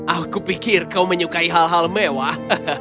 aku pikir kamu suka makanan yang indah